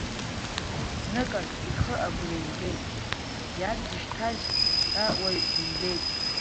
Зныказ ихы агәра имгеит, иа дзышьҭаз ҳәа уаҩ димбеит.